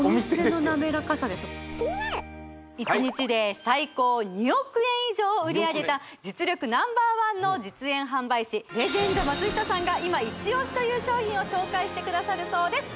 １日で最高２億円以上売り上げた実力ナンバーワンの実演販売士レジェンド松下さんが今イチオシという商品を紹介してくださるそうです